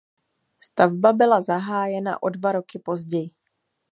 Stavba byla zahájena o dva roky později.